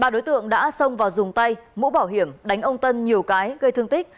ba đối tượng đã xông vào dùng tay mũ bảo hiểm đánh ông tân nhiều cái gây thương tích